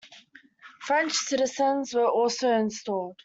French citizens were also installed.